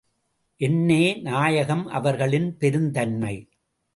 என்னே நாயகம் அவர்களின் பெருந்தன்மை!